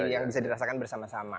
yang bisa dirasakan bersama sama